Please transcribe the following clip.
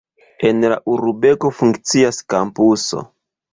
En la urbego funkcias kampuso.